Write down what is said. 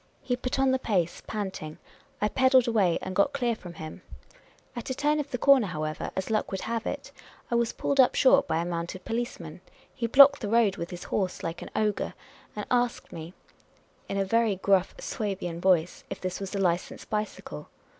He put on the pace, panting; I pedalled awa}'^ and got clear from him. At a turn of the corner, however, a.s luck would have it, I was pulled up short by a mounted policeman. He blocked the road with his horse, like an ogre, and asked me, in a I WAS PULLET) UP SHORT HY A MOUNTF.n roMCF.MAN. very gruff v'^wabian voice, if this was a licensed bicycle.